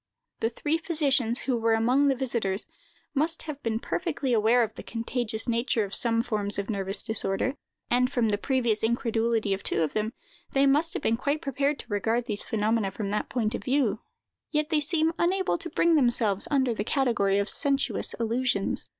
The three physicians, who were among the visiters, must have been perfectly aware of the contagious nature of some forms of nervous disorder, and from the previous incredulity of two of them, they must have been quite prepared to regard these phenomena from that point of view; yet they seem unable to bring them under the category of sensuous illusions.